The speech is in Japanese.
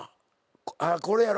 これやろ？